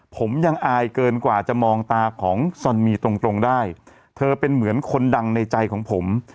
ผมยังอายเกินกว่าจะมองตาของซอนมีตรงตรงได้เธอเป็นเหมือนคนดังในใจของผม